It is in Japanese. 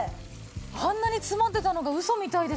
あんなに詰まってたのがウソみたいですね。